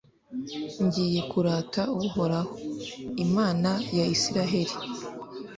ngiye kurata uhoraho, imana ya israheli